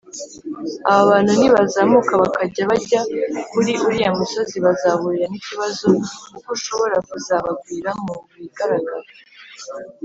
Aba bantu nibazamuka bakajya bajya kuri uriya musozi bazahurira n’ikibazo kuko ushobora kuzabagwira mu bigaragara.